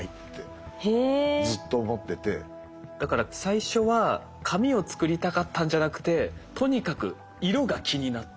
だから最初は紙を作りたかったんじゃなくてとにかく色が気になった。